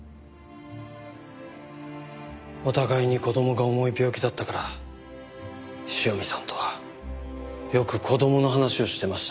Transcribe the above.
お互いに子供が重い病気だったから塩見さんとはよく子供の話をしてました。